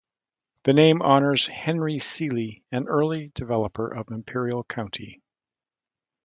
The name honors Henry Seeley, an early developer of Imperial County.